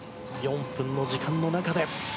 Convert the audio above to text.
４分の時間の中で。